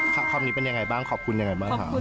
ภาพนี้เป็นยังไงบ้างขอบคุณยังไงบ้างครับ